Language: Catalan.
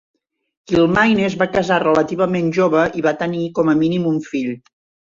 Kilmaine es va casar relativament jove i va tenir com a mínim un fill.